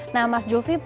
nah mas julfi